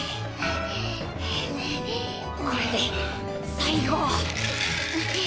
これで最後。